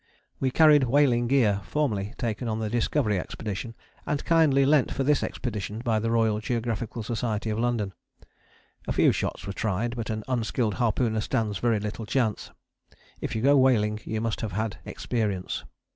We carried whaling gear formerly taken on the Discovery Expedition, and kindly lent for this expedition by the Royal Geographical Society of London. A few shots were tried, but an unskilled harpooner stands very little chance. If you go whaling you must have had experience.